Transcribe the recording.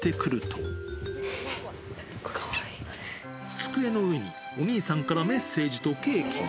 机の上に、お兄さんからメッセージとケーキが。